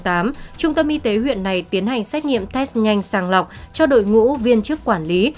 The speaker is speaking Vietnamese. trung tâm y tế huyện này tiến hành xét nghiệm test nhanh sàng lọc cho đội ngũ viên chức quản lý